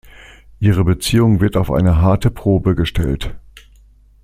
Ihre Beziehung wird auf eine harte Probe gestellt.